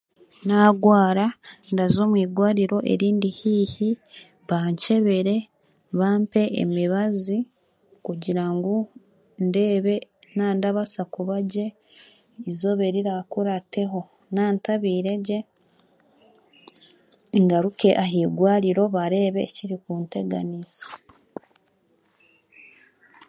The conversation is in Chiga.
Nagwara ndaza omu irwariro erindi haihi bankyebere bampe emibazi kugira ngu ndeebe naandabaasa kubagye eizooba eriraakurateho nantabaire gye ngaruke aha irwariro bareebe ekirikunteganisa